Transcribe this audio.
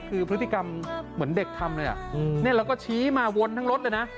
คือพฤติกรรมเหมือนเด็กทำเลยอ่ะอืมเนี้ยเราก็ชี้มาวนทั้งรถเลยน่ะ